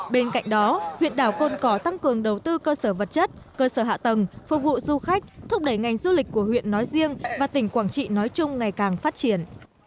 bên cạnh đó huyện đảo côn cỏ tăng cường đầu tư cơ sở vật chất cơ sở hạ tầng phục vụ du khách thúc đẩy ngành du lịch của huyện nói riêng và tỉnh quảng trị nói chung ngày càng phát triển